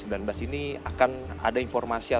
atau ada informasi tentang mobilnya